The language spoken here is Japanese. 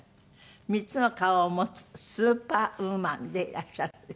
３つの顔を持つスーパーウーマンでいらっしゃるんですけど。